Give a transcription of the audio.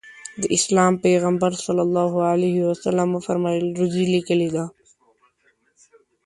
د اسلام پیغمبر ص وفرمایل روزي لیکلې ده.